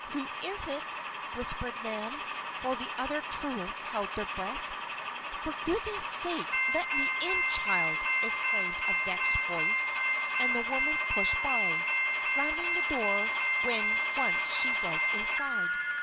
"Who is it?" whispered Nan, while the other truants held their breath. "For goodness' sake, let me in, child!" exclaimed a vexed voice and the woman pushed by, slamming the door when once she was inside.